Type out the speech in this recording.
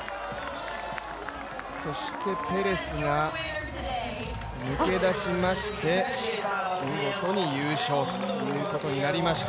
そしてペレスが抜け出しまして、見事に優勝ということになりました。